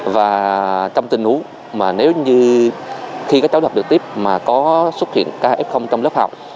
và trong tình huống nếu như khi các cháu đọc được tiếp mà có xuất hiện kf trong lớp học